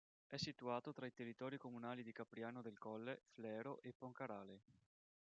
È situato tra i territori comunali di Capriano del Colle, Flero e Poncarale.